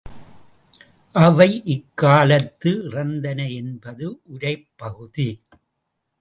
அவை இக்காலத்து இறந்தன என்பது உரைப்பகுதி.